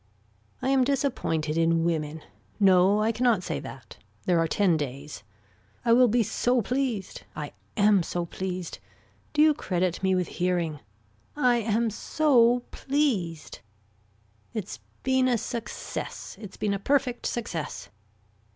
I am disappointed in women. No I cannot say that. There are ten days. I will be so pleased. I am so pleased. Do you credit me with hearing. I am so pleased. It's been a success, it's been a perfect success.